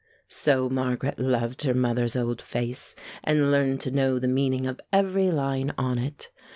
So Margaret loved her mother's old face, and learned to know the meaning of every line on it.